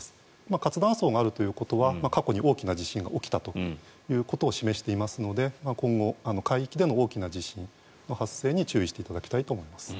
活断層があるということは過去に大きな地震が起きたことを示していますので今後海域での大きな地震の発生に注意していただきたいと思います。